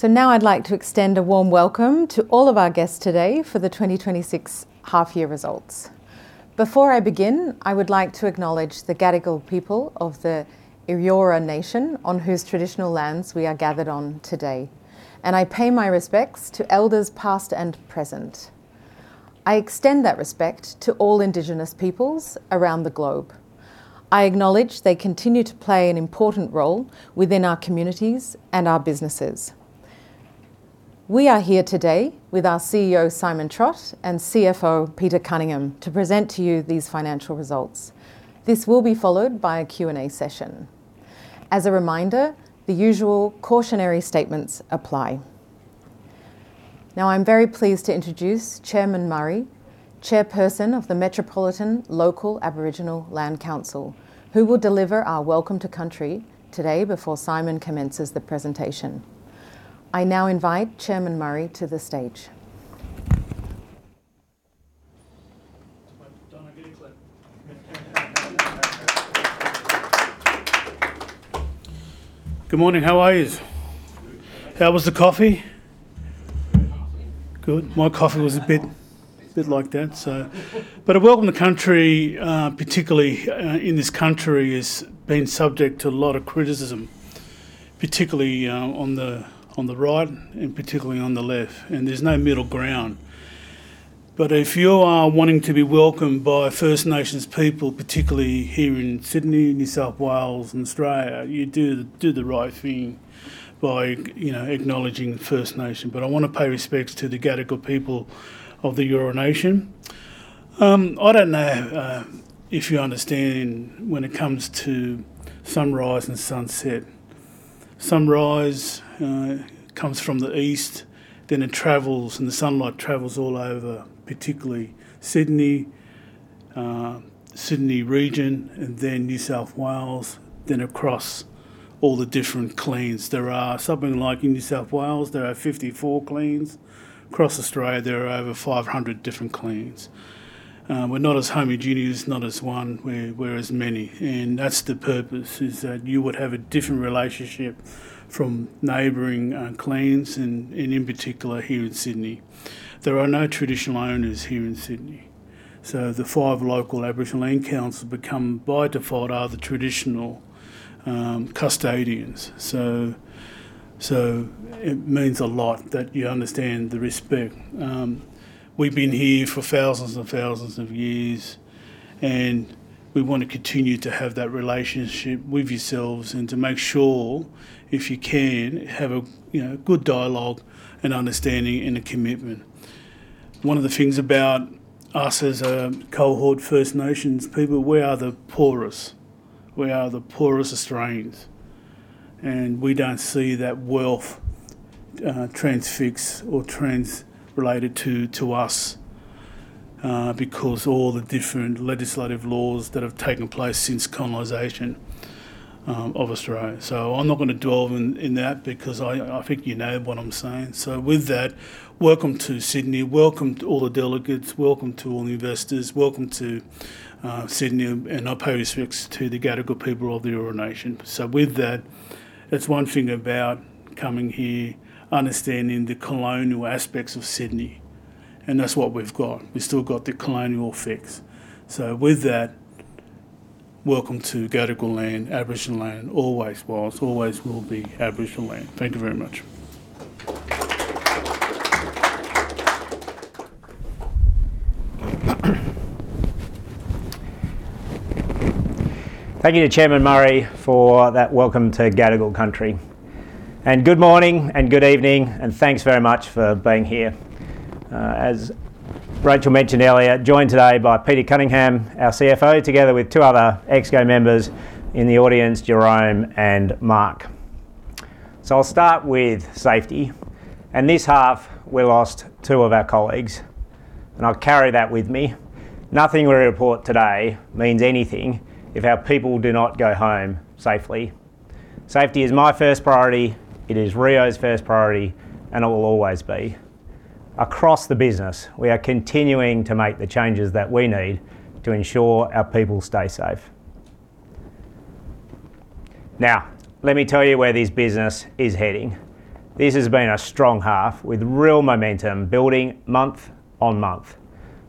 So now I'd like to extend a warm welcome to all of our guests today for the 2026 half year results. Before I begin, I would like to acknowledge the Gadigal people of the Eora nation, on whose traditional lands we are gathered on today, and I pay my respects to elders past and present. I extend that respect to all indigenous peoples around the globe. I acknowledge they continue to play an important role within our communities and our businesses. We are here today with our CEO, Simon Trott, and CFO, Peter Cunningham, to present to you these financial results. This will be followed by a Q&A session. As a reminder, the usual cautionary statements apply. Now, I'm very pleased to introduce Allan Murray, Chairperson of the Metropolitan Local Aboriginal Land Council, who will deliver our welcome to country today before Simon commences the presentation. I now invite Allan Murray to the stage. Good morning. How are youse? Good. How was the coffee? Coffee. Good. My coffee was a bit like that. A welcome to country, particularly in this country, has been subject to a lot of criticism, particularly on the right and particularly on the left, and there's no middle ground. If you are wanting to be welcomed by First Nations people, particularly here in Sydney, New South Wales, and Australia, you do the right thing by acknowledging the First Nation. I want to pay respects to the Gadigal people of the Eora nation. I don't know if you understand when it comes to sunrise and sunset. Sunrise comes from the east, it travels, and the sunlight travels all over, particularly Sydney region, and New South Wales, across all the different clans. There are something like in New South Wales, there are 54 clans. Across Australia, there are over 500 different clans. We're not as homogeneous, not as one. We're as many, that's the purpose is that you would have a different relationship from neighboring clans and, in particular, here in Sydney. There are no traditional owners here in Sydney, the five local Aboriginal land councils become by default are the traditional custodians. It means a lot that you understand the respect. We've been here for thousands and thousands of years, we want to continue to have that relationship with yourselves and to make sure, if you can, have a good dialogue and understanding and a commitment. One of the things about us as a cohort, First Nations people, we are the poorest. We are the poorest Australians, we don't see that wealth transfixed or transrelated to us, because all the different legislative laws that have taken place since colonization of Australia. I'm not going to dwell in that because I think you know what I'm saying. With that, welcome to Sydney. Welcome to all the delegates. Welcome to all investors. Welcome to Sydney, I pay respects to the Gadigal people of the Eora nation. With that, it's one thing about coming here, understanding the colonial aspects of Sydney, and that's what we've got. We've still got the colonial effects. With that, welcome to Gadigal land, Aboriginal land. Always was, always will be Aboriginal land. Thank you very much. Thank you to Chairman Murray for that welcome to Gadigal country, good morning and good evening, thanks very much for being here. As Rachel mentioned earlier, joined today by Peter Cunningham, our CFO, together with two other Exco members in the audience, Jérôme and Mark. I'll start with safety, this half, we lost two of our colleagues, I carry that with me. Nothing we report today means anything if our people do not go home safely. Safety is my first priority. It is Rio's first priority, it will always be. Across the business, we are continuing to make the changes that we need to ensure our people stay safe. Now, let me tell you where this business is heading. This has been a strong half with real momentum building month on month.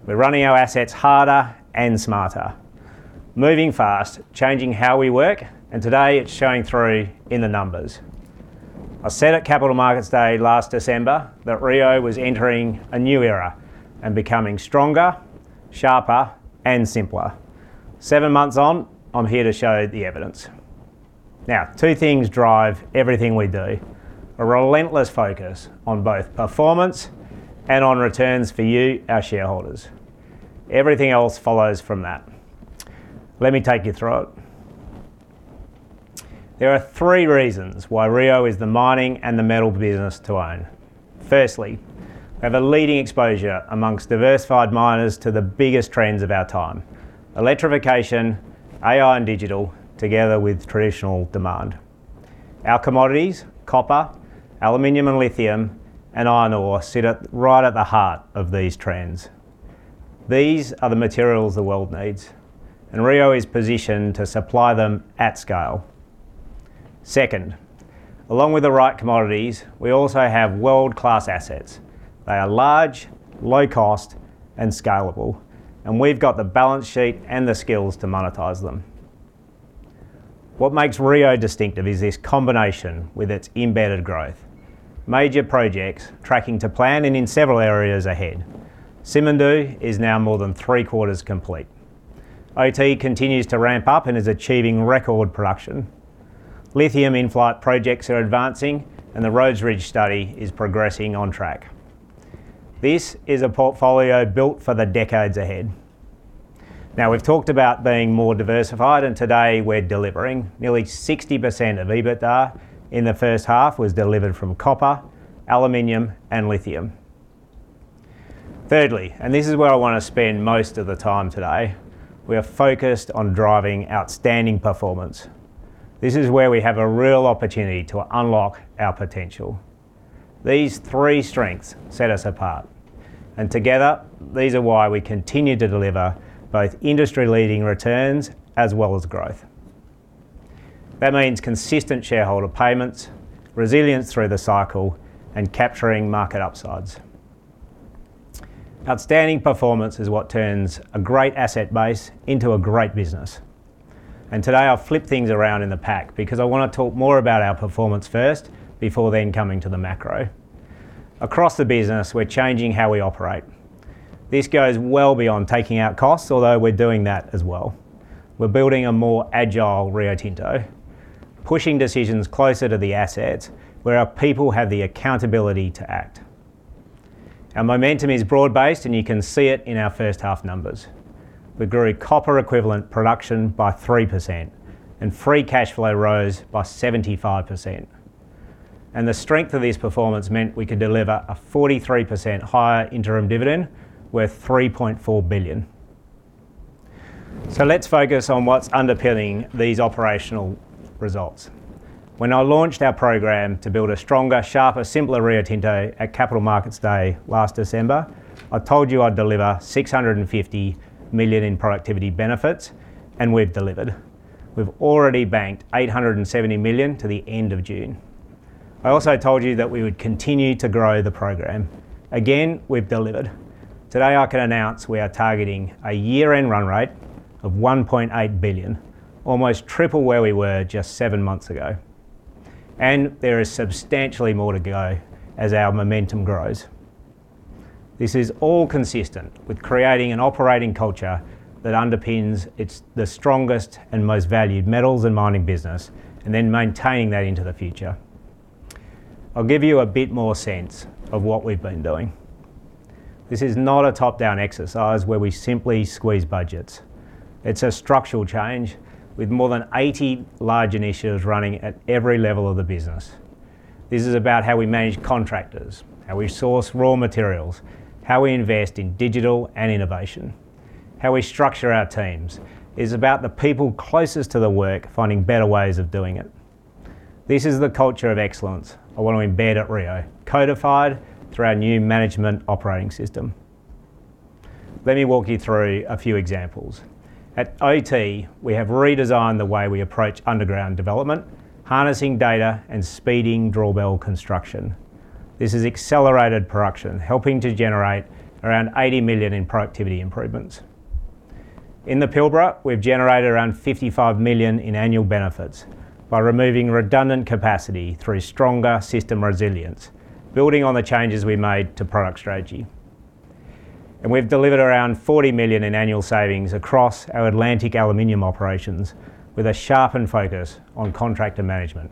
We're running our assets harder and smarter, moving fast, changing how we work. Today it's showing through in the numbers. I said at Capital Markets Day last December that Rio was entering a new era and becoming stronger, sharper, and simpler. Seven months on, I'm here to show the evidence. Two things drive everything we do. A relentless focus on both performance and on returns for you, our shareholders. Everything else follows from that. Let me take you through it. There are three reasons why Rio is the mining and the metal business to own. Firstly, we have a leading exposure amongst diversified miners to the biggest trends of our time, electrification, AI and digital, together with traditional demand. Our commodities, copper, aluminum and lithium, and iron ore sit right at the heart of these trends. These are the materials the world needs. Rio is positioned to supply them at scale. Second, along with the right commodities, we also have world-class assets. They are large, low cost, and scalable. We've got the balance sheet and the skills to monetize them. What makes Rio distinctive is this combination with its embedded growth. Major projects tracking to plan and in several areas ahead. Simandou is now more than three quarters complete. OT continues to ramp up and is achieving record production. Lithium in-flight projects are advancing, and the Rhodes Ridge study is progressing on track. This is a portfolio built for the decades ahead. We've talked about being more diversified. Today we're delivering. Nearly 60% of EBITDA in the first half was delivered from copper, aluminum, and lithium. Thirdly, this is where I want to spend most of the time today, we are focused on driving outstanding performance. This is where we have a real opportunity to unlock our potential. These three strengths set us apart. Together these are why we continue to deliver both industry leading returns as well as growth. That means consistent shareholder payments, resilience through the cycle, and capturing market upsides. Outstanding performance is what turns a great asset base into a great business. Today, I'll flip things around in the pack because I want to talk more about our performance first, before then coming to the macro. Across the business, we're changing how we operate. This goes well beyond taking out costs, although we're doing that as well. We're building a more agile Rio Tinto, pushing decisions closer to the assets where our people have the accountability to act. Our momentum is broad based. You can see it in our first half numbers. We grew copper equivalent production by 3%. Free cash flow rose by 75%. The strength of this performance meant we could deliver a 43% higher interim dividend, worth $3.4 billion. Let's focus on what's underpinning these operational results. When I launched our program to build a stronger, sharper, simpler Rio Tinto at Capital Markets Day last December, I told you I'd deliver $650 million in productivity benefits. We've delivered. We've already banked $870 million to the end of June. I also told you that we would continue to grow the program. Again, we've delivered. Today I can announce we are targeting a year-end run rate of $1.8 billion, almost triple where we were just seven months ago. There is substantially more to go as our momentum grows. This is all consistent with creating an operating culture that underpins the strongest and most valued metals and mining business, and then maintaining that into the future. I'll give you a bit more sense of what we've been doing. This is not a top-down exercise where we simply squeeze budgets. It's a structural change with more than 80 large initiatives running at every level of the business. This is about how we manage contractors, how we source raw materials, how we invest in digital and innovation, how we structure our teams. It's about the people closest to the work finding better ways of doing it. This is the culture of excellence I want to embed at Rio, codified through our new management operating system. Let me walk you through a few examples. At OT, we have redesigned the way we approach underground development, harnessing data and speeding drawbell construction. This has accelerated production, helping to generate around $80 million in productivity improvements. In the Pilbara, we've generated around $55 million in annual benefits by removing redundant capacity through stronger system resilience, building on the changes we made to product strategy. We've delivered around $40 million in annual savings across our Atlantic Operations with a sharpened focus on contractor management.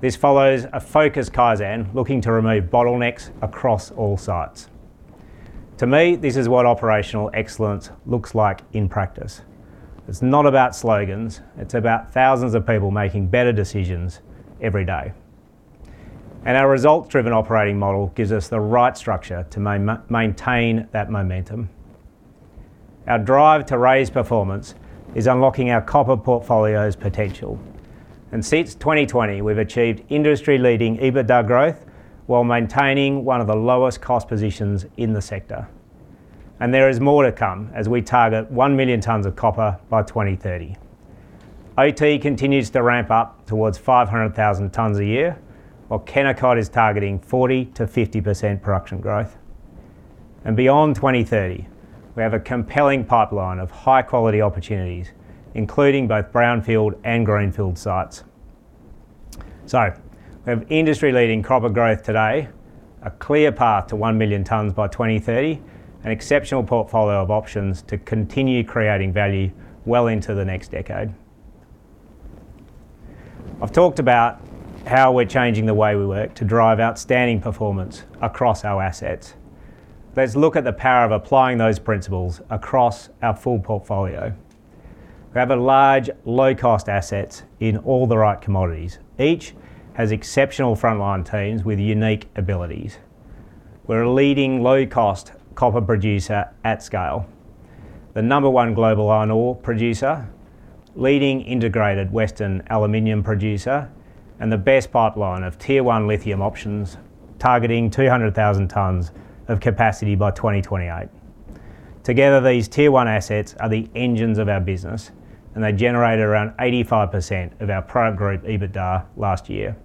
This follows a focused Kaizen looking to remove bottlenecks across all sites. To me, this is what operational excellence looks like in practice. It's not about slogans. It's about thousands of people making better decisions every day. Our results-driven operating model gives us the right structure to maintain that momentum. Our drive to raise performance is unlocking our copper portfolio's potential. Since 2020, we've achieved industry leading EBITDA growth while maintaining one of the lowest cost positions in the sector. There is more to come as we target 1 million tons of copper by 2030. OT continues to ramp up towards 500,000 tons a year, while Kennecott is targeting 40%-50% production growth. Beyond 2030, we have a compelling pipeline of high-quality opportunities, including both brownfield and greenfield sites. We have industry leading copper growth today, a clear path to 1 million tons by 2030, an exceptional portfolio of options to continue creating value well into the next decade. I've talked about how we're changing the way we work to drive outstanding performance across our assets. Let's look at the power of applying those principles across our full portfolio. We have large low-cost assets in all the right commodities. Each has exceptional frontline teams with unique abilities. We're a leading low-cost copper producer at scale. The number one global iron ore producer, leading integrated Western aluminium producer, the best pipeline of Tier 1 lithium options, targeting 200,000 tonnes of capacity by 2028. Together, these Tier 1 assets are the engines of our business, they generated around 85% of our product group EBITDA last year.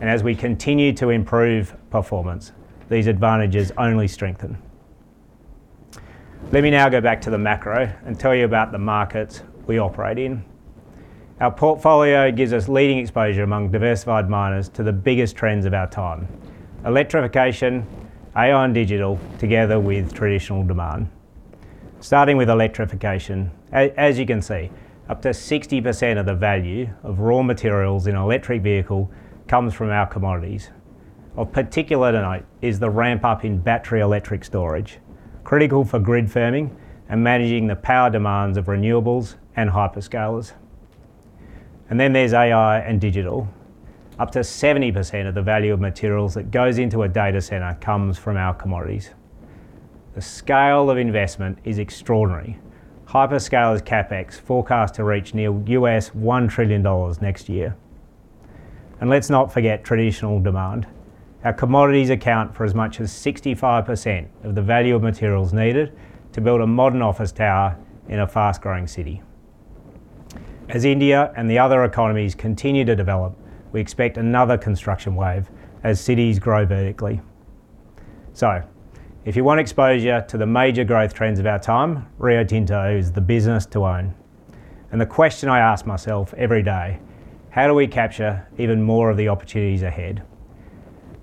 As we continue to improve performance, these advantages only strengthen. Let me now go back to the macro and tell you about the markets we operate in. Our portfolio gives us leading exposure among diversified miners to the biggest trends of our time. Electrification, AI and digital together with traditional demand. Starting with electrification, as you can see, up to 60% of the value of raw materials in an electric vehicle comes from our commodities. Of particular note is the ramp-up in battery electric storage, critical for grid firming and managing the power demands of renewables and hyperscalers. There's AI and digital. Up to 70% of the value of materials that goes into a data center comes from our commodities. The scale of investment is extraordinary. Hyperscalers' CapEx forecast to reach nearly $1 trillion next year. Let's not forget traditional demand. Our commodities account for as much as 65% of the value of materials needed to build a modern office tower in a fast-growing city. As India and the other economies continue to develop, we expect another construction wave as cities grow vertically. If you want exposure to the major growth trends of our time, Rio Tinto is the business to own. The question I ask myself every day, how do we capture even more of the opportunities ahead?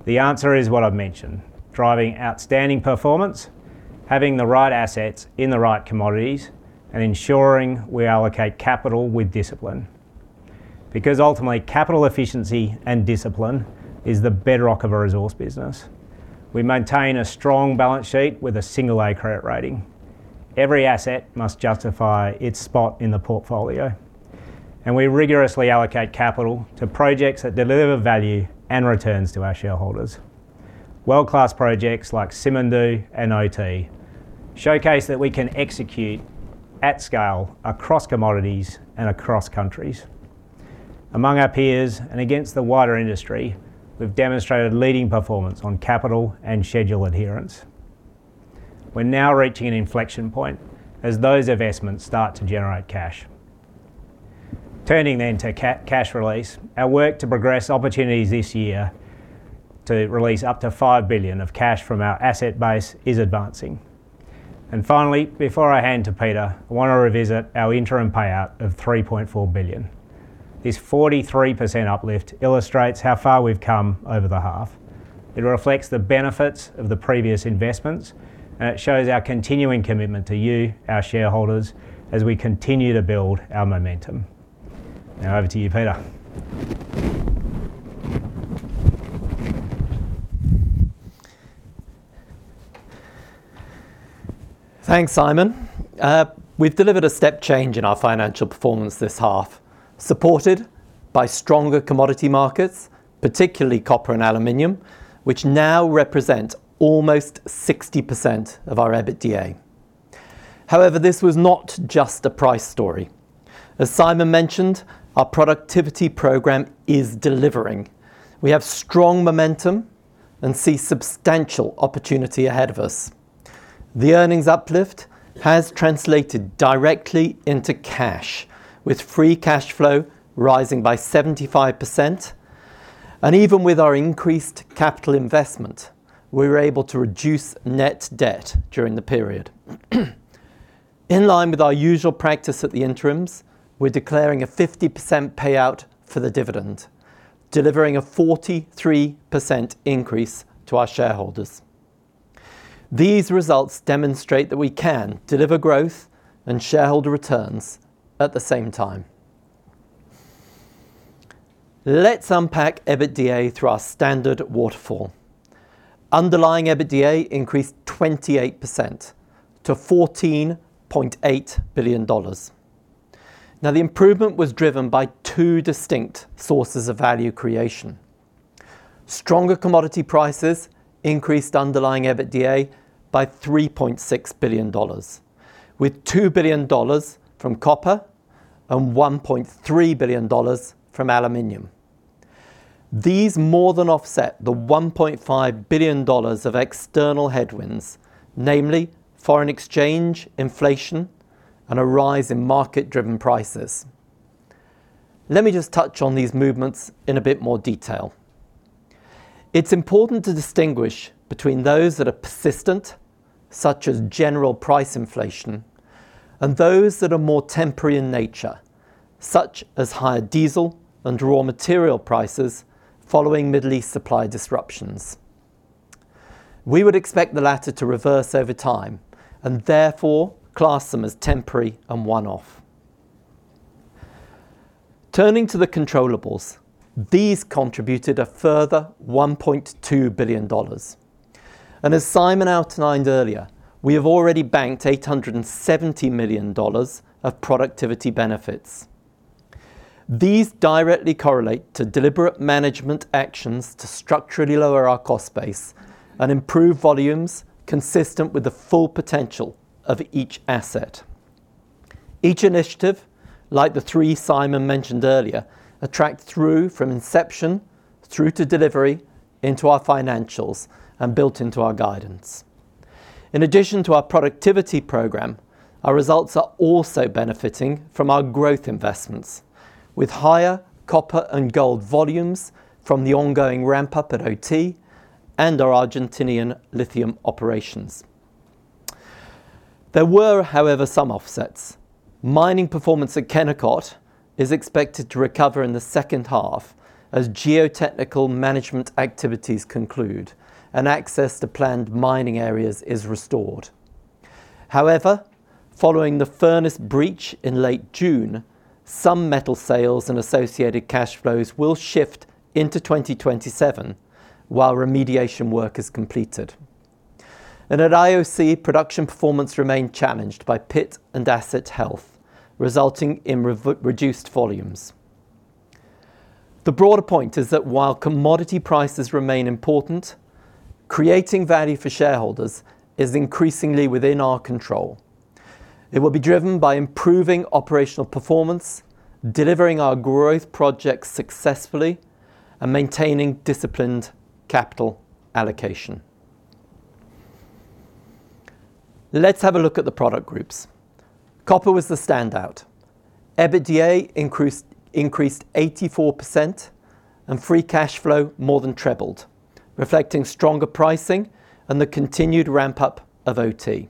The answer is what I've mentioned, driving outstanding performance, having the right assets in the right commodities, and ensuring we allocate capital with discipline. Ultimately, capital efficiency and discipline is the bedrock of a resource business. We maintain a strong balance sheet with a Single-A credit rating. Every asset must justify its spot in the portfolio. We rigorously allocate capital to projects that deliver value and returns to our shareholders. World-class projects like Simandou and OT showcase that we can execute at scale across commodities and across countries. Among our peers and against the wider industry, we've demonstrated leading performance on capital and schedule adherence. We're now reaching an inflection point as those investments start to generate cash. Turning to cash release, our work to progress opportunities this year to release up to $5 billion of cash from our asset base is advancing. Finally, before I hand to Peter, I want to revisit our interim payout of $3.4 billion. This 43% uplift illustrates how far we've come over the half. It reflects the benefits of the previous investments, it shows our continuing commitment to you, our shareholders, as we continue to build our momentum. Over to you, Peter. Thanks, Simon. We've delivered a step change in our financial performance this half, supported by stronger commodity markets, particularly copper and aluminium, which now represent almost 60% of our EBITDA. However, this was not just a price story. As Simon mentioned, our productivity program is delivering. We have strong momentum and see substantial opportunity ahead of us. The earnings uplift has translated directly into cash, with free cash flow rising by 75%, even with our increased capital investment, we were able to reduce net debt during the period. In line with our usual practice at the interims, we're declaring a 50% payout for the dividend, delivering a 43% increase to our shareholders. These results demonstrate that we can deliver growth and shareholder returns at the same time. Let's unpack EBITDA through our standard waterfall. Underlying EBITDA increased 28% to $14.8 billion. The improvement was driven by two distinct sources of value creation. Stronger commodity prices increased underlying EBITDA by $3.6 billion, with $2 billion from copper and $1.3 billion from aluminium. These more than offset the $1.5 billion of external headwinds, namely foreign exchange, inflation, and a rise in market-driven prices. Let me just touch on these movements in a bit more detail. It is important to distinguish between those that are persistent, such as general price inflation, and those that are more temporary in nature, such as higher diesel and raw material prices following Middle East supply disruptions. We would expect the latter to reverse over time, and therefore class them as temporary and one-off. Turning to the controllables, these contributed a further $1.2 billion. As Simon outlined earlier, we have already banked $870 million of productivity benefits. These directly correlate to deliberate management actions to structurally lower our cost base and improve volumes consistent with the full potential of each asset. Each initiative, like the three Simon mentioned earlier, are tracked through from inception through to delivery into our financials and built into our guidance. In addition to our productivity program, our results are also benefiting from our growth investments, with higher copper and gold volumes from the ongoing ramp-up at Oyu Tolgoi and our Argentinian lithium operations. There were, however, some offsets. Mining performance at Kennecott is expected to recover in the second half as geotechnical management activities conclude and access to planned mining areas is restored. However, following the furnace breach in late June, some metal sales and associated cash flows will shift into 2027 while remediation work is completed. At Iron Ore Company of Canada, production performance remained challenged by pit and asset health, resulting in reduced volumes. The broader point is that while commodity prices remain important, creating value for shareholders is increasingly within our control. It will be driven by improving operational performance, delivering our growth projects successfully, and maintaining disciplined capital allocation. Let's have a look at the product groups. Copper was the standout. EBITDA increased 84%, and free cash flow more than trebled, reflecting stronger pricing and the continued ramp-up of Oyu Tolgoi.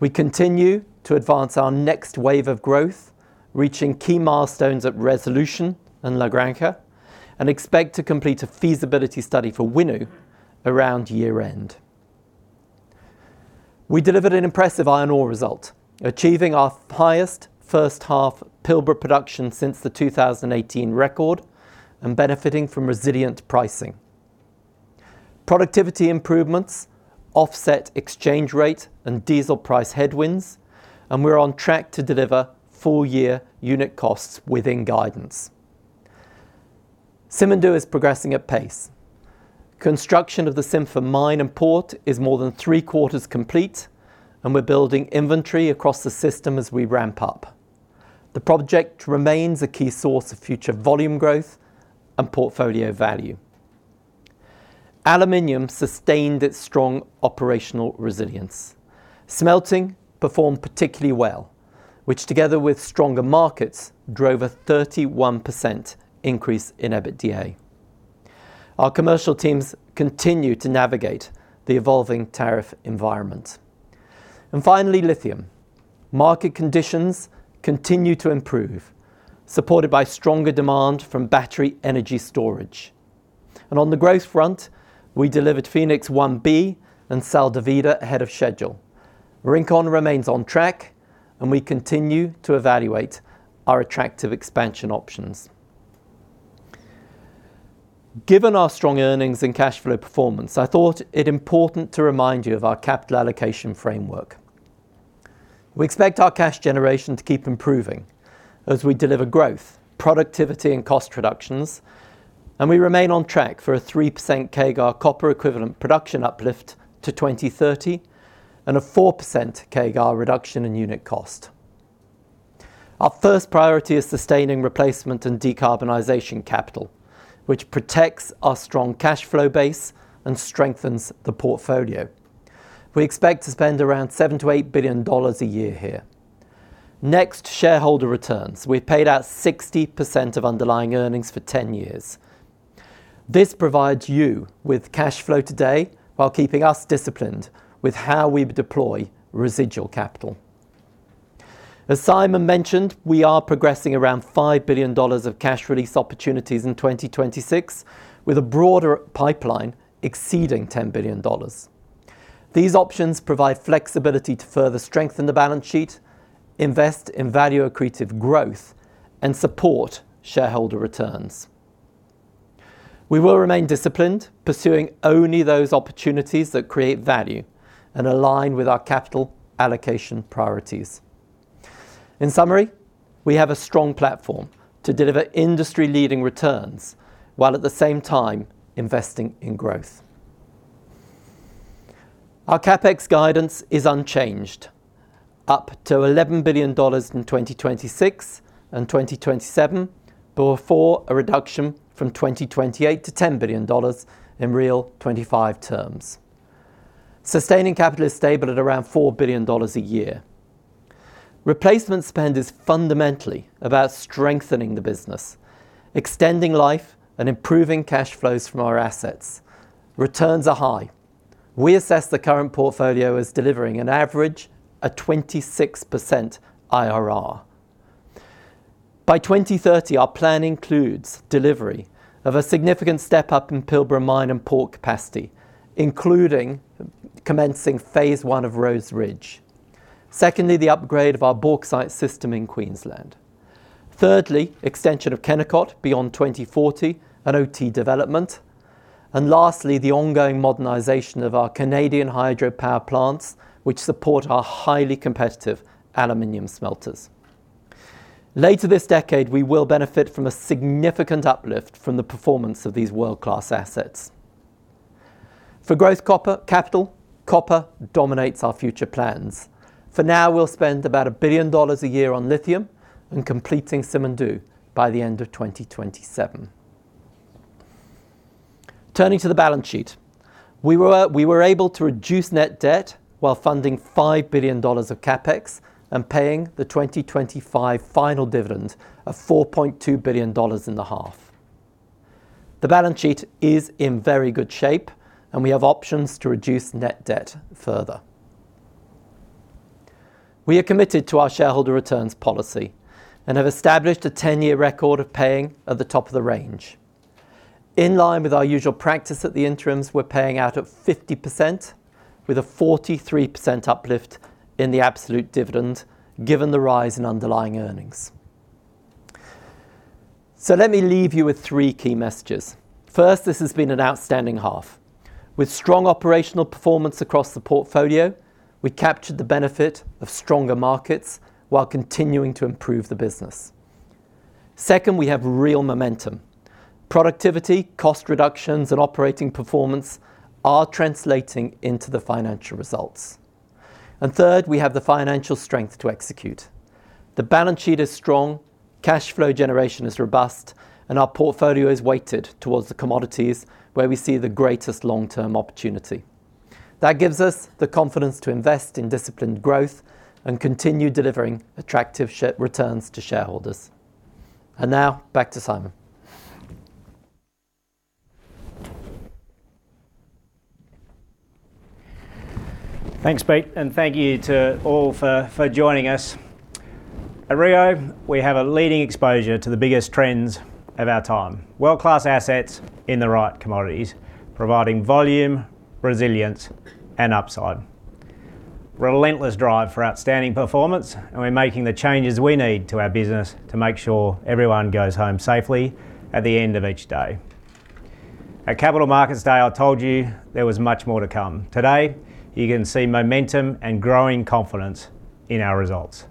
We continue to advance our next wave of growth, reaching key milestones at Resolution and La Granja, and expect to complete a feasibility study for Winu around year-end. We delivered an impressive iron ore result, achieving our highest first-half Pilbara production since the 2018 record and benefiting from resilient pricing. Productivity improvements offset exchange rate and diesel price headwinds, we are on track to deliver full-year unit costs within guidance. Simandou is progressing at pace. Construction of the Simfer mine and port is more than three-quarters complete, we are building inventory across the system as we ramp up. The project remains a key source of future volume growth and portfolio value. Aluminium sustained its strong operational resilience. Smelting performed particularly well, which together with stronger markets, drove a 31% increase in EBITDA. Our commercial teams continue to navigate the evolving tariff environment. Finally, lithium. Market conditions continue to improve, supported by stronger demand from battery energy storage. On the growth front, we delivered Fénix 1B and Sal de Vida ahead of schedule. Rincón remains on track, we continue to evaluate our attractive expansion options. Given our strong earnings and cash flow performance, I thought it important to remind you of our capital allocation framework. We expect our cash generation to keep improving as we deliver growth, productivity, and cost reductions. We remain on track for a 3% CAGR copper equivalent production uplift to 2030 and a 4% CAGR reduction in unit cost. Our first priority is sustaining replacement and decarbonization capital, which protects our strong cash flow base and strengthens the portfolio. We expect to spend around $7 billion-$8 billion a year here. Next, shareholder returns. We've paid out 60% of underlying earnings for 10 years. This provides you with cash flow today while keeping us disciplined with how we deploy residual capital. As Simon mentioned, we are progressing around $5 billion of cash release opportunities in 2026, with a broader pipeline exceeding $10 billion. These options provide flexibility to further strengthen the balance sheet, invest in value-accretive growth, and support shareholder returns. We will remain disciplined, pursuing only those opportunities that create value and align with our capital allocation priorities. In summary, we have a strong platform to deliver industry-leading returns while at the same time investing in growth. Our CapEx guidance is unchanged, up to $11 billion in 2026 and 2027, before a reduction from 2028 to $10 billion in real 2025 terms. Sustaining capital is stable at around $4 billion a year. Replacement spend is fundamentally about strengthening the business, extending life, and improving cash flows from our assets. Returns are high. We assess the current portfolio as delivering an average at 26% IRR. By 2030, our plan includes delivery of a significant step-up in Pilbara mine and port capacity, including commencing phase one of Rhodes Ridge. Secondly, the upgrade of our bauxite system in Queensland. Thirdly, extension of Kennecott beyond 2040 and OT development. Lastly, the ongoing modernization of our Canadian hydropower plants, which support our highly competitive aluminium smelters. Later this decade, we will benefit from a significant uplift from the performance of these world-class assets. For growth copper capital, copper dominates our future plans. For now, we'll spend about $1 billion a year on lithium and completing Simandou by the end of 2027. Turning to the balance sheet. We were able to reduce net debt while funding $5 billion of CapEx and paying the 2025 final dividend of $4.2 billion in the half. The balance sheet is in very good shape. We have options to reduce net debt further. We are committed to our shareholder returns policy and have established a 10-year record of paying at the top of the range. In line with our usual practice at the interims, we're paying out at 50% with a 43% uplift in the absolute dividend, given the rise in underlying earnings. Let me leave you with three key messages. First, this has been an outstanding half. With strong operational performance across the portfolio, we captured the benefit of stronger markets while continuing to improve the business. Second, we have real momentum. Productivity, cost reductions, and operating performance are translating into the financial results. Third, we have the financial strength to execute. The balance sheet is strong, cash flow generation is robust. Our portfolio is weighted towards the commodities where we see the greatest long-term opportunity. That gives us the confidence to invest in disciplined growth and continue delivering attractive returns to shareholders. Now, back to Simon. Thanks, Pete, and thank you to all for joining us. At Rio, we have a leading exposure to the biggest trends of our time. World-class assets in the right commodities, providing volume, resilience, and upside. Relentless drive for outstanding performance, and we are making the changes we need to our business to make sure everyone goes home safely at the end of each day. At Capital Markets Day, I told you there was much more to come. Today, you can see momentum and growing confidence in our results.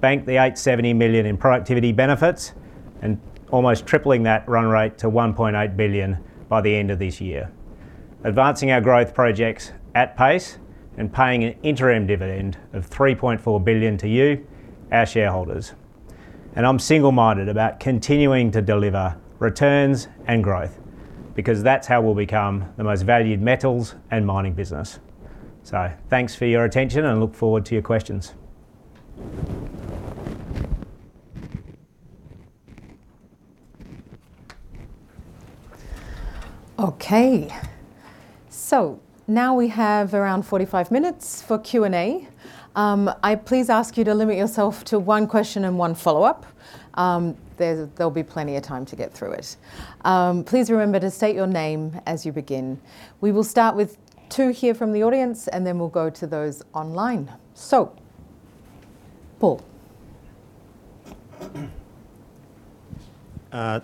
Bank the $870 million in productivity benefits and almost tripling that run rate to $1.8 billion by the end of this year. Advancing our growth projects at pace and paying an interim dividend of $3.4 billion to you, our shareholders. I am single-minded about continuing to deliver returns and growth because that is how we will become the most valued metals and mining business. Thanks for your attention. I look forward to your questions. Okay. Now we have around 45 minutes for Q&A. I please ask you to limit yourself to one question and one follow-up. There will be plenty of time to get through it. Please remember to state your name as you begin. We will start with two here from the audience, then we will go to those online. Paul.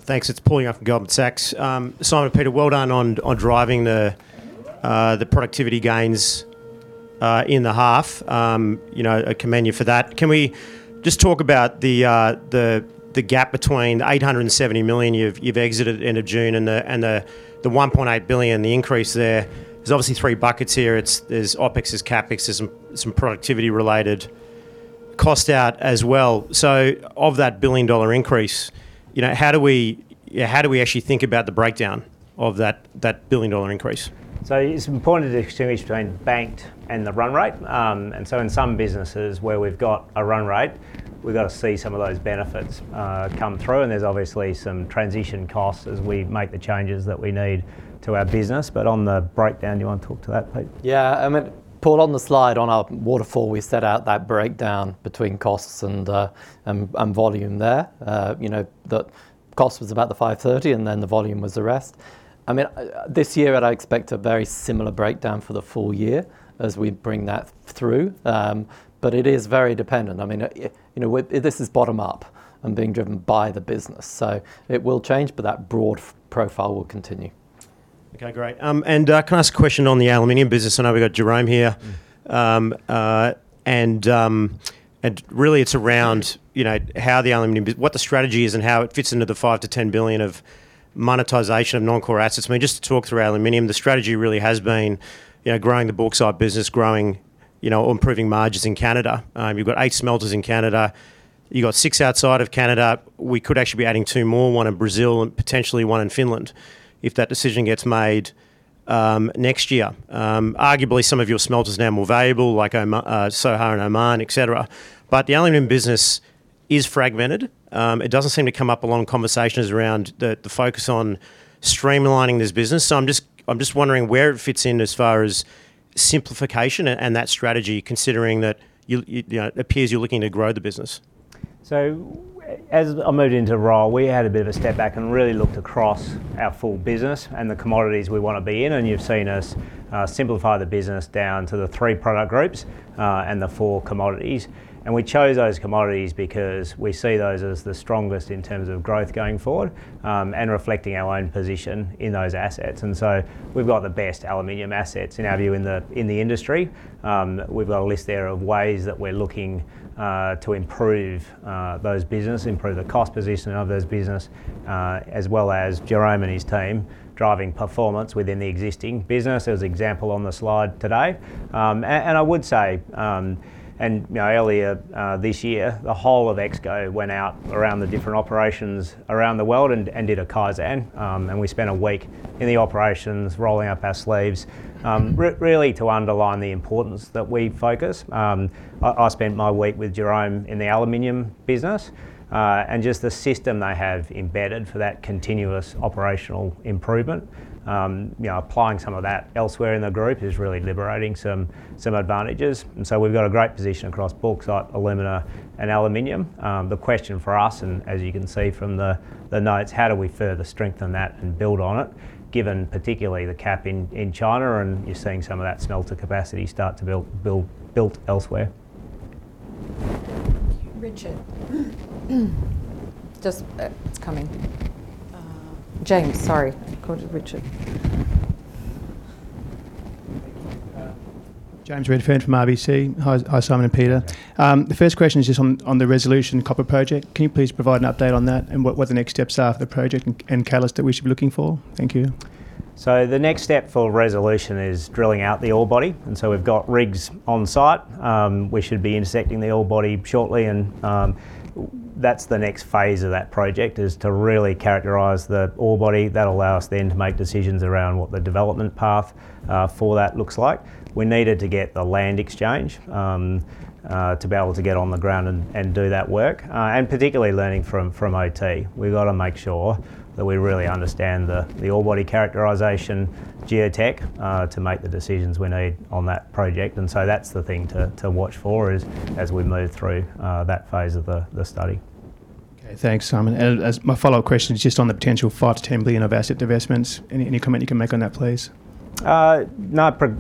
Thanks. It is Paul Young from Goldman Sachs. Simon, Peter, well done on driving the productivity gains in the half. I commend you for that. Can we just talk about the gap between the $870 million you have exited end of June and the $1.8 billion, the increase there? There is obviously three buckets here. There is OpEx, there is CapEx, there is some productivity related cost out as well. Of that billion-dollar increase, how do we actually think about the breakdown of that billion-dollar increase? It's important to distinguish between banked and the run rate. In some businesses where we've got a run rate, we've got to see some of those benefits come through, and there's obviously some transition costs as we make the changes that we need to our business. On the breakdown, you want to talk to that, Pete? I mean, Paul, on the slide on our waterfall, we set out that breakdown between costs and volume there. The cost was about the $530, the volume was the rest. I mean, this year, I'd expect a very similar breakdown for the full year as we bring that through. It is very dependent. I mean, this is bottom-up and being driven by the business. It will change, but that broad profile will continue. Okay, great. Can I ask a question on the aluminium business? I know we've got Jérôme here. Really it's around what the strategy is and how it fits into the $5 billion-$10 billion of monetization of non-core assets. I mean, just to talk through aluminium, the strategy really has been growing the bauxite business, improving margins in Canada. You've got eight smelters in Canada. You got six outside of Canada. We could actually be adding two more, one in Brazil and potentially one in Finland, if that decision gets made next year. Arguably, some of your smelters are now more valuable, like Sohar in Oman, et cetera, but the aluminium business is fragmented. It doesn't seem to come up along conversations around the focus on streamlining this business. I'm just wondering where it fits in as far as simplification and that strategy, considering that it appears you're looking to grow the business. As I moved into role, we had a bit of a step back and really looked across our full business and the commodities we want to be in. You've seen us simplify the business down to the three product groups, and the four commodities. We chose those commodities because we see those as the strongest in terms of growth going forward, and reflecting our own position in those assets. We've got the best aluminium assets in our view, in the industry. We've got a list there of ways that we're looking to improve those businesses, improve the cost position of those businesses, as well as Jérôme and his team driving performance within the existing business as example on the slide today. I would say, earlier this year, the whole of Exco went out around the different operations around the world and did a Kaizen. We spent a week in the operations rolling up our sleeves, really to underline the importance that we focus. I spent my week with Jérôme in the aluminium business, and just the system they have embedded for that continuous operational improvement. Applying some of that elsewhere in the group is really liberating some advantages. We've got a great position across bauxite, alumina, and aluminium. The question for us, and as you can see from the notes, how do we further strengthen that and build on it, given particularly the cap in China and you're seeing some of that smelter capacity start to build elsewhere. Richard. It's coming. James, sorry. I called you Richard. James Redfern from RBC. Hi, Simon and Peter. The first question is just on the Resolution Copper project. Can you please provide an update on that and what the next steps are for the project and catalyst that we should be looking for? Thank you. The next step for Resolution is drilling out the ore body. We've got rigs on site. We should be intersecting the ore body shortly. That's the next phase of that project, is to really characterize the ore body. That'll allow us to make decisions around what the development path for that looks like. We needed to get the land exchange, to be able to get on the ground and do that work. Particularly learning from OT. We've got to make sure that we really understand the ore body characterization geotech to make the decisions we need on that project. That's the thing to watch for, is as we move through that phase of the study. Okay. Thanks, Simon. As my follow-up question is just on the potential $5 billion-$10 billion of asset divestments. Any comment you can make on that, please?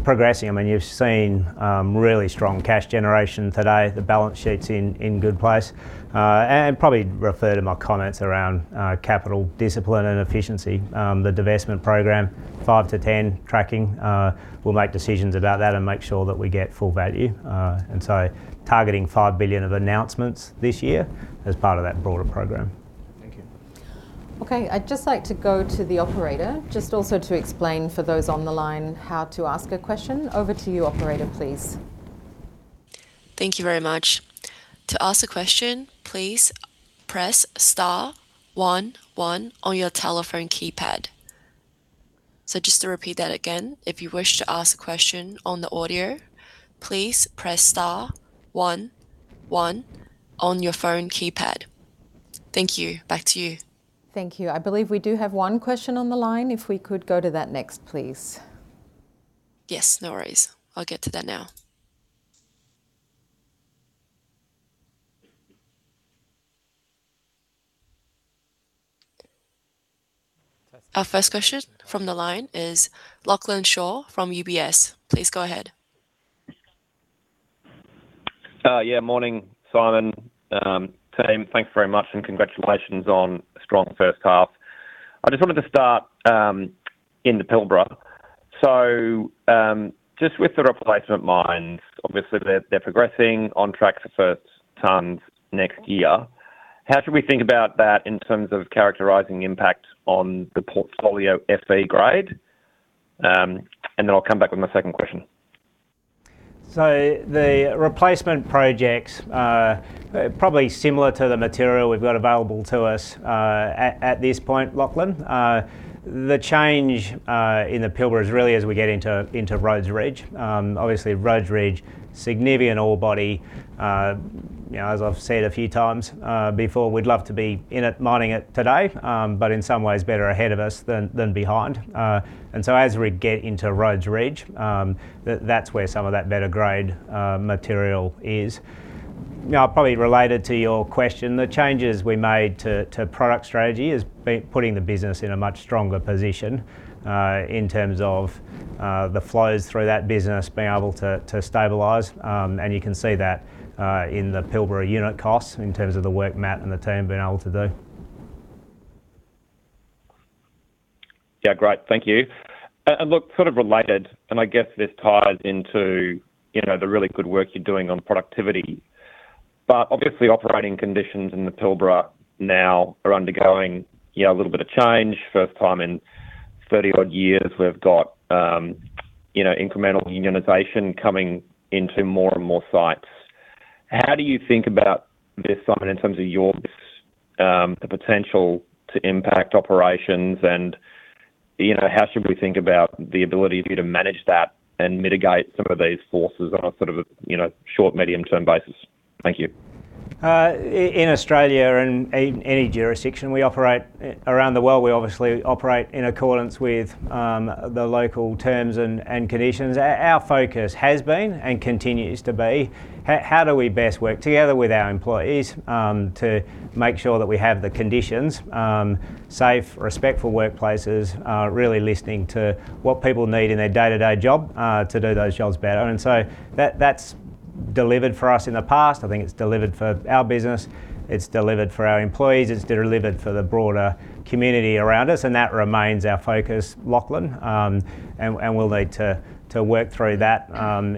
Progressing. You've seen really strong cash generation today, the balance sheet's in good place. Probably refer to my comments around capital discipline and efficiency. The divestment program, $5 billion-$10 billion, tracking. We'll make decisions about that and make sure that we get full value. Targeting $5 billion of announcements this year as part of that broader program. Thank you. Okay, I'd just like to go to the operator, just also to explain for those on the line how to ask a question. Over to you, operator, please. Thank you very much. To ask a question, please press star one one on your telephone keypad. Just to repeat that again, if you wish to ask a question on the audio, please press star one one on your phone keypad. Thank you. Back to you. Thank you. I believe we do have one question on the line. If we could go to that next, please. Yes, no worries. I'll get to that now. Our first question from the line is Lachlan Shaw from UBS. Please go ahead. Morning, Simon, team. Thanks very much and congratulations on a strong first half. I just wanted to start in the Pilbara. Just with the replacement mines, obviously they're progressing on track for first tons next year. How should we think about that in terms of characterizing impact on the portfolio Fe grade? Then I'll come back with my second question. The replacement projects are probably similar to the material we've got available to us at this point, Lachlan. The change in the Pilbara is really as we get into Rhodes Ridge. Obviously, Rhodes Ridge, significant ore body. As I've said a few times before, we'd love to be in it mining it today. In some ways better ahead of us than behind. As we get into Rhodes Ridge, that's where some of that better-grade material is. Now, probably related to your question, the changes we made to product strategy has been putting the business in a much stronger position, in terms of the flows through that business being able to stabilize. You can see that in the Pilbara unit costs in terms of the work Matt and the team have been able to do. Great. Thank you. Look, sort of related, and I guess this ties into the really good work you're doing on productivity. Obviously operating conditions in the Pilbara now are undergoing a little bit of change. First time in 30-odd years, we've got incremental unionization coming into more and more sites. How do you think about this, Simon, in terms of your risks, the potential to impact operations and how should we think about the ability of you to manage that and mitigate some of these forces on a sort of a short, medium-term basis? Thank you. In Australia and any jurisdiction we operate around the world, we obviously operate in accordance with the local terms and conditions. Our focus has been and continues to be, how do we best work together with our employees to make sure that we have the conditions, safe, respectful workplaces, really listening to what people need in their day-to-day job to do those jobs better. That's delivered for us in the past. I think it's delivered for our business, it's delivered for our employees, it's delivered for the broader community around us, and that remains our focus, Lachlan, and we'll need to work through that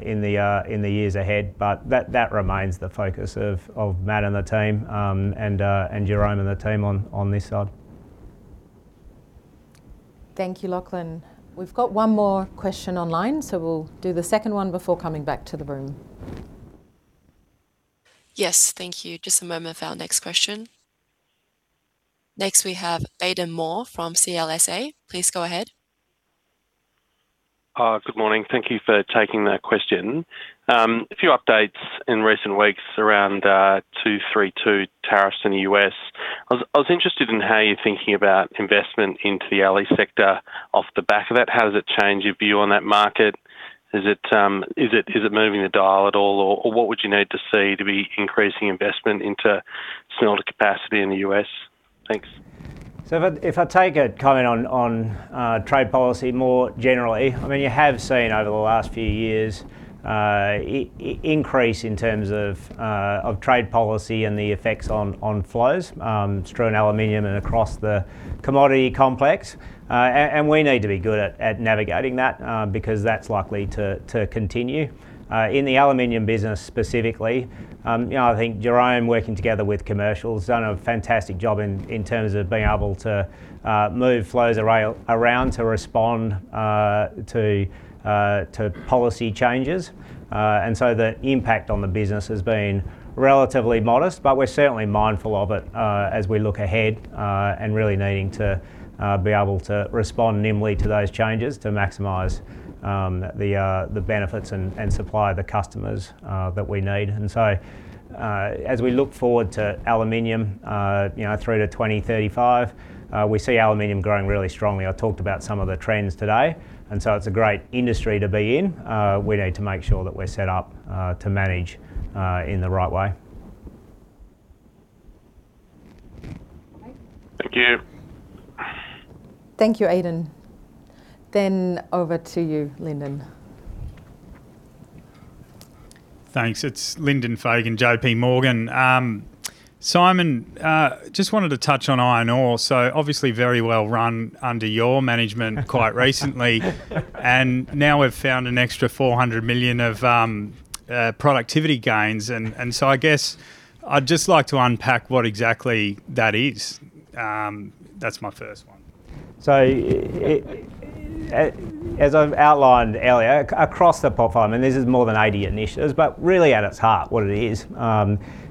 in the years ahead. That remains the focus of Matt and the team, and Jérôme and the team on this side. Thank you, Lachlan. We've got one more question online, so we'll do the second one before coming back to the room. Yes. Thank you. Just a moment for our next question. We have Baden Moore from CLSA. Please go ahead. Hi. Good morning. Thank you for taking the question. A few updates in recent weeks around 232 Tariffs in the U.S. I was interested in how you're thinking about investment into the aluminium sector off the back of that. How does it change your view on that market? Is it moving the dial at all, or what would you need to see to be increasing investment into smelter capacity in the U.S.? Thanks. If I take a comment on trade policy more generally, you have seen over the last few years increase in terms of trade policy and the effects on flows through aluminium and across the commodity complex. We need to be good at navigating that, because that's likely to continue. In the aluminium business specifically, I think Jérôme working together with commercial, has done a fantastic job in terms of being able to move flows around to respond to policy changes. The impact on the business has been relatively modest, but we're certainly mindful of it as we look ahead, and really needing to be able to respond nimbly to those changes to maximize the benefits and supply the customers that we need. As we look forward to aluminium through to 2035, we see aluminium growing really strongly. I talked about some of the trends today, it's a great industry to be in. We need to make sure that we're set up to manage in the right way. Thank you. Thank you, Baden. Over to you, Lyndon. Thanks. It's Lyndon Fagan, JPMorgan. Simon, just wanted to touch on iron ore. Obviously very well run under your management quite recently. Now we've found an extra $400 million of productivity gains. I guess I'd just like to unpack what exactly that is. That's my first one. As I've outlined earlier, across the platform, this is more than 80 initiatives, really at its heart, what it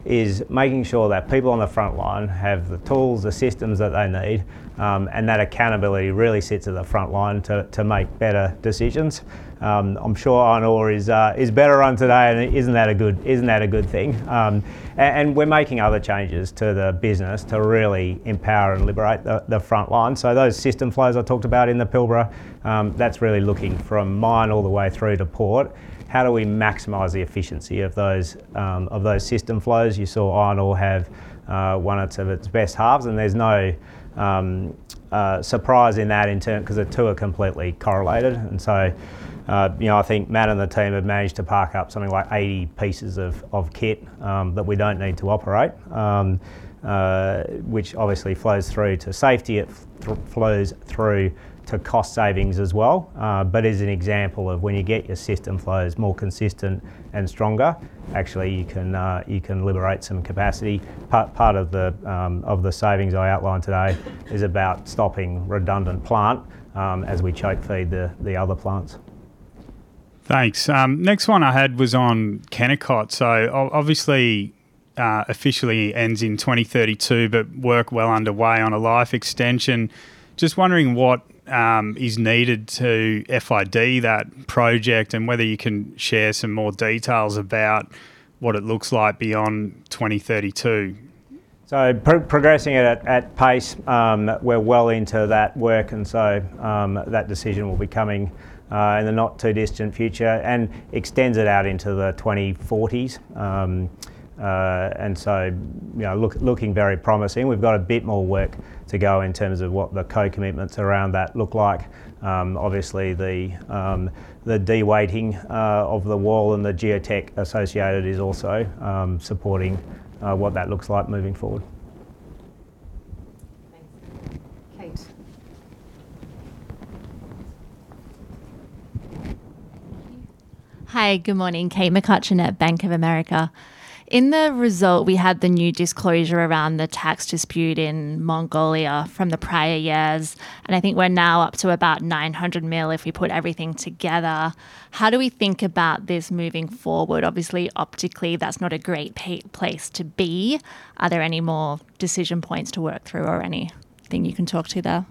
is making sure that people on the front line have the tools, the systems that they need, and that accountability really sits at the front line to make better decisions. I'm sure iron ore is better run today and isn't that a good thing? We're making other changes to the business to really empower and liberate the front line. Those system flows I talked about in the Pilbara, that's really looking from mine all the way through to port. How do we maximize the efficiency of those system flows? You saw iron ore have one of its best halves, and there's no surprise in that in turn, because the two are completely correlated. I think Matt and the team have managed to park up something like 80 pieces of kit that we don't need to operate, which obviously flows through to safety, it flows through to cost savings as well. As an example of when you get your system flows more consistent and stronger, actually you can liberate some capacity. Part of the savings I outlined today is about stopping redundant plant as we choke feed the other plants. Thanks. Next one I had was on Kennecott. Obviously, officially ends in 2032, work well underway on a life extension. Just wondering what is needed to FID that project and whether you can share some more details about what it looks like beyond 2032. Progressing at pace. We're well into that work that decision will be coming in the not-too-distant future and extends it out into the 2040s. Looking very promising. We've got a bit more work to go in terms of what the co-commitments around that look like. Obviously, the de-weighting of the wall and the geotech associated is also supporting what that looks like moving forward. Thanks, Kate. Hi, good morning. Kate McCutcheon at Bank of America. In the result, we had the new disclosure around the tax dispute in Mongolia from the prior years. I think we're now up to about $900 million if we put everything together. How do we think about this moving forward? Obviously, optically, that's not a great place to be. Are there any more decision points to work through or anything you can talk to there?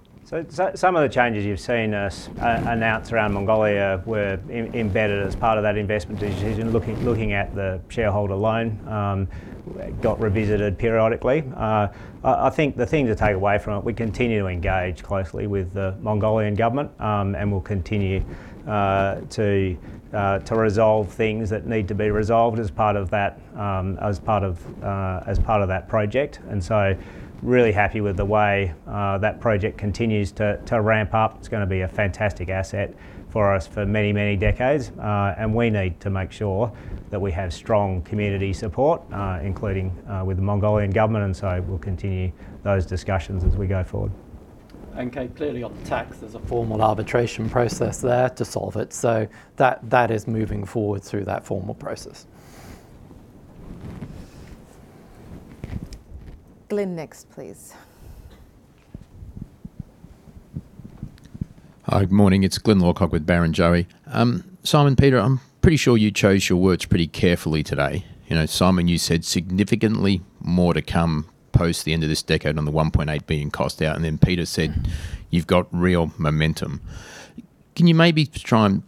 Some of the changes you've seen us announce around Mongolia were embedded as part of that investment decision. Looking at the shareholder loan, it got revisited periodically. I think the thing to take away from it, we continue to engage closely with the Mongolian government. We'll continue to resolve things that need to be resolved as part of that project. Really happy with the way that project continues to ramp up. It's going to be a fantastic asset for us for many, many decades. We need to make sure that we have strong community support, including with the Mongolian government. We'll continue those discussions as we go forward. Kate, clearly on tax, there's a formal arbitration process there to solve it. That is moving forward through that formal process. Glyn next, please. Hi, good morning. It's Glyn Lawcock with Barrenjoey. Simon, Peter, I'm pretty sure you chose your words pretty carefully today. Simon, you said significantly more to come post the end of this decade on the $1.8 billion cost out. Peter said you've got real momentum. Can you maybe try and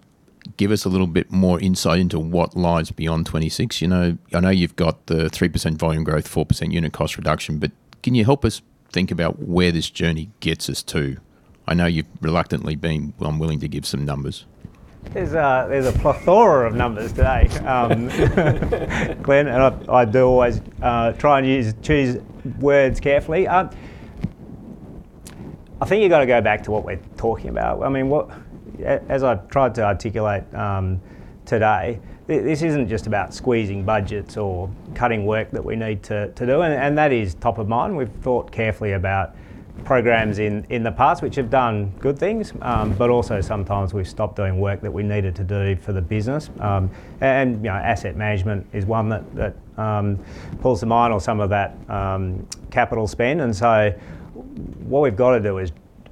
give us a little bit more insight into what lies beyond 2026? I know you've got the 3% volume growth, 4% unit cost reduction, can you help us think about where this journey gets us to? I know you've reluctantly been unwilling to give some numbers. There's a plethora of numbers today, Glyn. I do always try and choose words carefully. I think you got to go back to what we're talking about. As I tried to articulate today, this isn't just about squeezing budgets or cutting work that we need to do and that is top of mind. We've thought carefully about programs in the past which have done good things. Also sometimes we've stopped doing work that we needed to do for the business. Asset management is one that pulls to mind on some of that capital spend. What we've got to do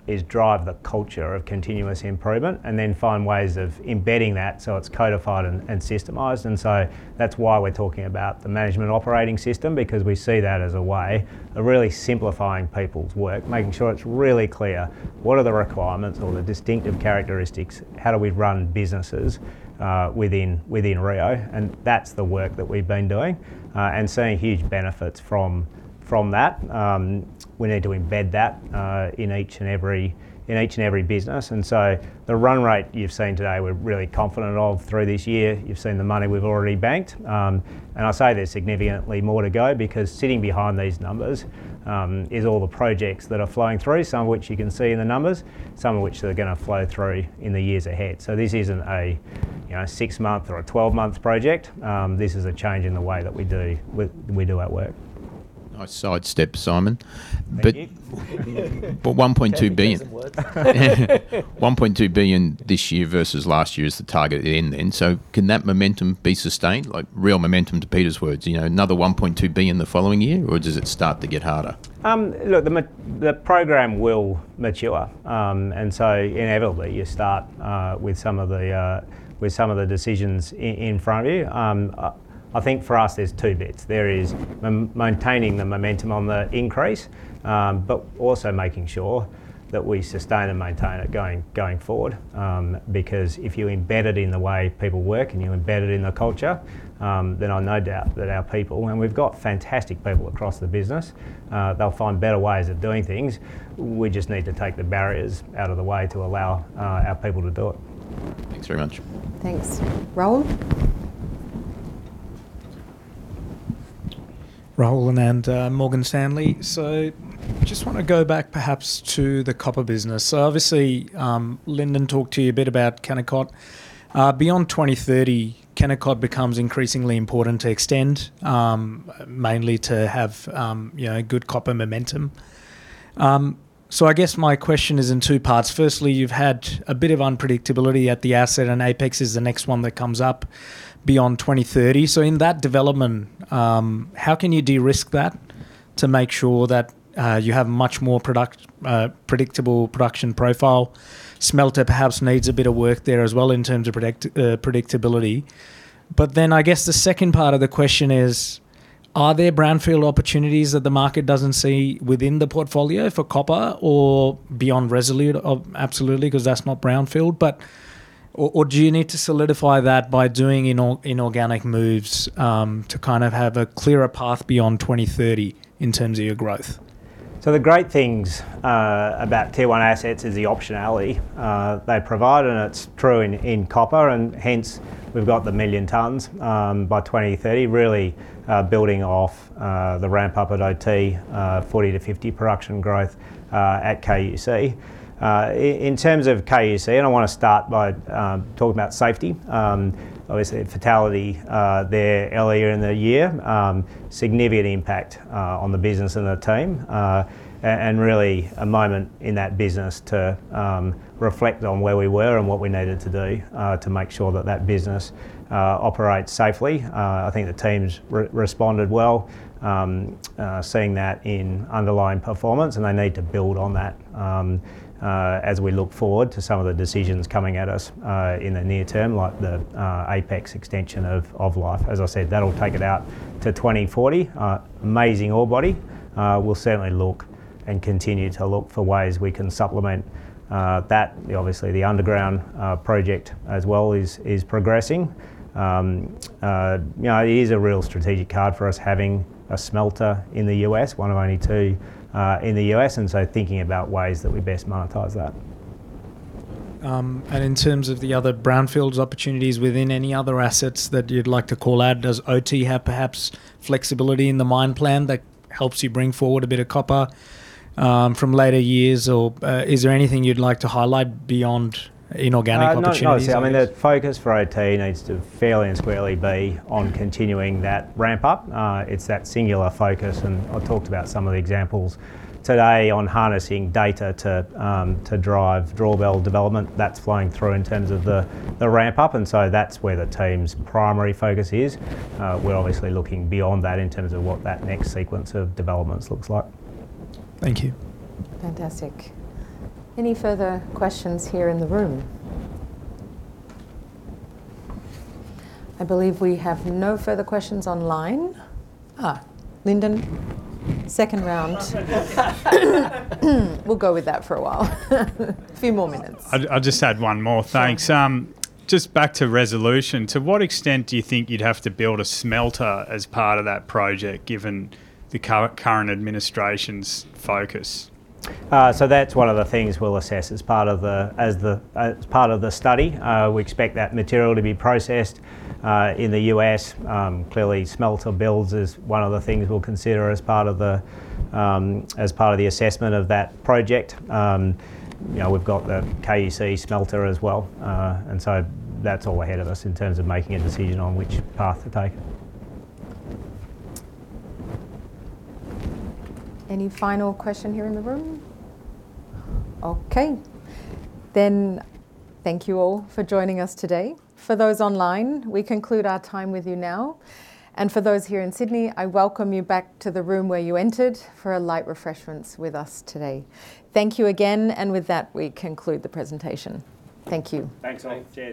is drive the culture of continuous improvement and then find ways of embedding that so it's codified and systemized. That's why we're talking about the management operating system because we see that as a way of really simplifying people's work, making sure it's really clear what are the requirements or the distinctive characteristics, how do we run businesses within Rio. That's the work that we've been doing, and seeing huge benefits from that. We need to embed that in each and every business. The run rate you've seen today, we're really confident of through this year. You've seen the money we've already banked. I say there's significantly more to go because sitting behind these numbers is all the projects that are flowing through, some of which you can see in the numbers, some of which are going to flow through in the years ahead. This isn't a six-month or a 12-month project. This is a change in the way that we do our work. Nice sidestep, Simon. Thank you. $1.2 billion. $1.2 billion this year versus last year is the target. Can that momentum be sustained, like real momentum to Peter's words? Another $1.2 billion the following year or does it start to get harder? Look, the program will mature. Inevitably you start with some of the decisions in front of you. I think for us there's two bits. There is maintaining the momentum on the increase, but also making sure that we sustain and maintain it going forward. If you embed it in the way people work and you embed it in the culture, then I've no doubt that our people, and we've got fantastic people across the business, they'll find better ways of doing things. We just need to take the barriers out of the way to allow our people to do it. Thanks very much. Thanks. Rahul? Rahul Anand, Morgan Stanley. Just want to go back perhaps to the copper business. Obviously, Lyndon talked to you a bit about Kennecott. Beyond 2030, Kennecott becomes increasingly important to extend, mainly to have good copper momentum. I guess my question is in two parts. Firstly, you've had a bit of unpredictability at the asset and Apex is the next one that comes up beyond 2030. In that development, how can you de-risk that to make sure that you have much more predictable production profile? Smelter perhaps needs a bit of work there as well in terms of predictability. I guess the second part of the question is, are there brownfield opportunities that the market doesn't see within the portfolio for copper or beyond Resolution, absolutely, because that's not brownfield. Do you need to solidify that by doing inorganic moves to kind of have a clearer path beyond 2030 in terms of your growth? The great things about Tier 1 assets is the optionality they provide, and it's true in copper and hence we've got the million tons by 2030 really building off the ramp up at OT, 40%-50% production growth at KUC. In terms of KUC, I want to start by talking about safety. Obviously, a fatality there earlier in the year. Significant impact on the business and the team. Really a moment in that business to reflect on where we were and what we needed to do to make sure that that business operates safely. I think the team's responded well, seeing that in underlying performance and they need to build on that as we look forward to some of the decisions coming at us in the near term, like the Apex extension of life. As I said, that'll take it out to 2040. Amazing ore body. We'll certainly look and continue to look for ways we can supplement that. Obviously the underground project as well is progressing. It is a real strategic card for us having a smelter in the U.S., one of only two in the U.S. Thinking about ways that we best monetize that. In terms of the other brownfields opportunities within any other assets that you'd like to call out, does OT have perhaps flexibility in the mine plan that helps you bring forward a bit of copper from later years? Is there anything you'd like to highlight beyond inorganic opportunities? No, obviously, I mean, the focus for OT needs to fairly and squarely be on continuing that ramp up. It's that singular focus. I've talked about some of the examples today on harnessing data to drive Drawbell development. That's flying through in terms of the ramp up, that's where the team's primary focus is. We're obviously looking beyond that in terms of what that next sequence of developments looks like. Thank you. Fantastic. Any further questions here in the room? I believe we have no further questions online. Lyndon, second round. We'll go with that for a while. Few more minutes. I'll just add one more. Thanks. Sure. Just back to Resolution. To what extent do you think you'd have to build a smelter as part of that project, given the current administration's focus? That's one of the things we'll assess as part of the study. We expect that material to be processed in the U.S. Clearly smelter builds is one of the things we'll consider as part of the assessment of that project. You know, we've got the KUC smelter as well. That's all ahead of us in terms of making a decision on which path to take. Any final question here in the room? Okay. Thank you all for joining us today. For those online, we conclude our time with you now. For those here in Sydney, I welcome you back to the room where you entered for a light refreshments with us today. Thank you again, and with that, we conclude the presentation. Thank you. Thanks all. Cheers.